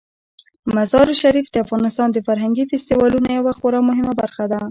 مزارشریف د افغانستان د فرهنګي فستیوالونو یوه خورا مهمه برخه ده.